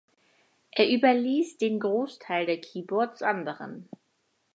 Er überließ den Großteil der Keyboards anderen.